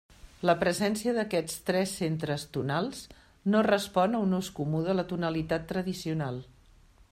La presència d'aquests tres centres tonals no respon a un ús comú de la tonalitat tradicional.